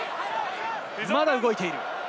まだ動いている。